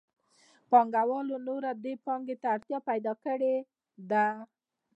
پانګوالو نوره دې پانګې ته اړتیا پیدا کړې ده